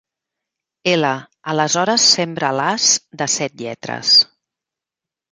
L Aleshores sembra-les, de set lletres.